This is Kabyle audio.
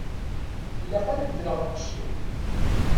Ilaq ad beddleɣ lqecc-iw.